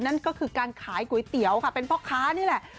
นั่นก็คือการขายก๋วยเตี๋ยวค่ะเป็นพ่อค้านี่แหละ